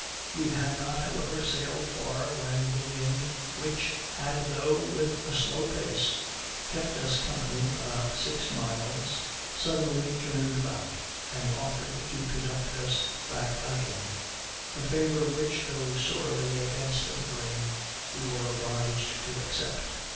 We had not however sailed far when the wind, which, had though with a slow pace, kept us company about six miles, suddenly turned about, and offered to conduct us back again; a favor which, though sorely against the grain, we were obliged to accept.